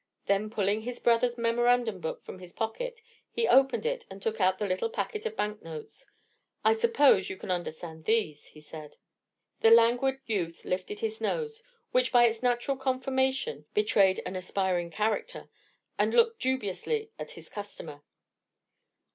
Then, pulling his brother's memorandum book from his pocket, he opened it, and took out the little packet of bank notes. "I suppose you can understand these?" he said. The languid youth lifted his nose, which by its natural conformation betrayed an aspiring character, and looked dubiously at his customer.